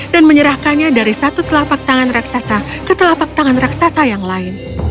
dan menyerahkannya dari satu telapak tangan raksasa ke telapak tangan raksasa yang lain